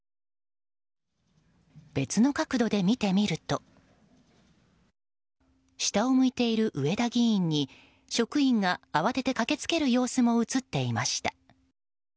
別の角度で見てみると下を向いている上田議員に職員が慌てて駆け付ける様子も映っていました。